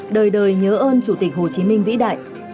đời đời nhớ ơn chủ tịch hồ chí minh vĩ đại